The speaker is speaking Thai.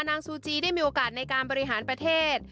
ซูจีได้มีโอกาสในการบริหารประเทศ